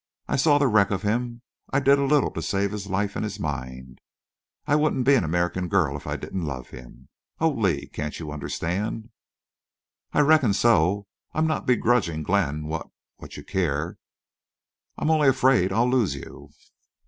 I saw the wreck of him. I did a little to save his life and his mind. I wouldn't be an American girl if I didn't love him.... Oh, Lee, can't you understand?" "I reckon so. I'm not begrudging Glenn what—what you care. I'm only afraid I'll lose you."